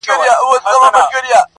خاوري دي ژوند سه، دا دی ارمان دی؟